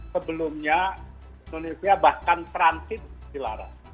sebelumnya indonesia bahkan transit di laras